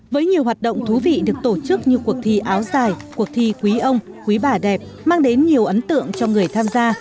với nhiều hoạt động thú vị được tổ chức như cuộc thi áo dài cuộc thi quý ông quý bà đẹp mang đến nhiều ấn tượng cho người tham gia